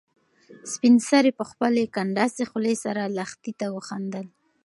سپین سرې په خپلې کنډاسې خولې سره لښتې ته وخندل.